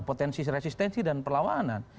potensi resistensi dan perlawanan